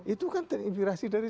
itu kan terinfirasi dari